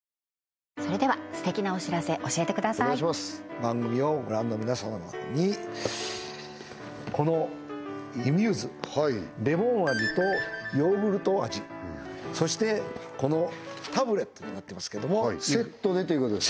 番組をご覧の皆様にこのｉＭＵＳＥレモン味とヨーグルト味そしてこのタブレットになってますけどもセットでということですね？